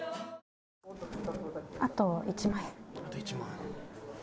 あと１万円。